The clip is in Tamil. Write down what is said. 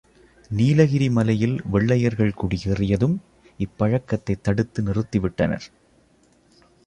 நீலகிரி மலையில் வெள்ளையர்கள் குடியேறியதும், இப் பழக்கத்தைத் தடுத்து நிறுத்திவிட்டனர்.